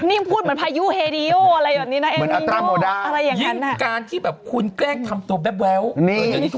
นี่มันพูดเหมือนพายุเฮดีโยอะไรอย่างนี้นะเอ็นมีโยอะไรอย่างนั้น